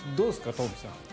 東輝さん。